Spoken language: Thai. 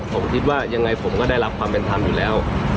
ผมคิดว่ายังไงผมก็ได้รับความเป็นธรรมอยู่แล้ว